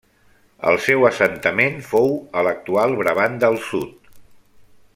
El seu assentament fou a l'actual Brabant del sud.